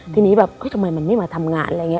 ทีนี้แบบทำไมมันไม่มาทำงาน